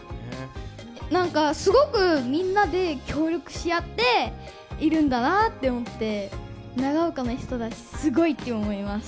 何かすごくみんなで協力し合っているんだなって思って長岡の人たちすごいって思います。